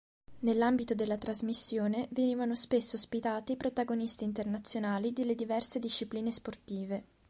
Nell'ambito della trasmissione venivano spesso ospitati i protagonisti internazionali delle diverse discipline sportive.